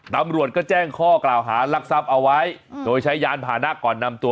ตำรวจก็แจ้งข้อกล่าวหารักทรัพย์เอาไว้โดยใช้ยานผ่านะก่อนนำตัว